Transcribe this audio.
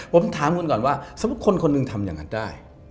ผมถามคุณก่อนว่าสมมุติคนคนหนึ่งทำอย่างนั้นได้